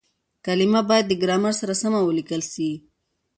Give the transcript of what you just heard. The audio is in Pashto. کليمه بايد د ګرامر سره سمه وليکل سي.